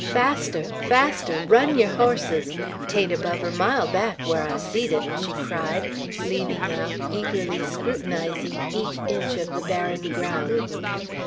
Faster, faster! Run yer hosses. 'Tain't above er mile back, whar I seed it," she cried, leaning out, eagerly scrutinizing each inch of the barren ground.